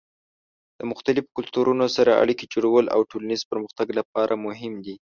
د مختلفو کلتورونو سره اړیکې جوړول د ټولنیز پرمختګ لپاره مهم دي.